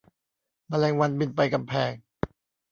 แมลงวันบินไปกำแพง